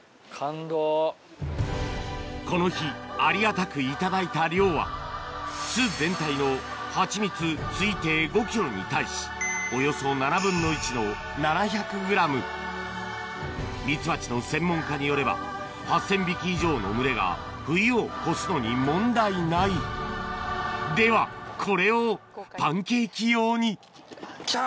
この日ありがたくいただいた量は巣全体のハチミツ推定５ｋｇに対しミツバチの専門家によれば８０００匹以上の群れが冬を越すのに問題ないではこれをパンケーキ用に来た！